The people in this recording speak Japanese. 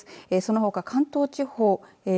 そのほか関東地方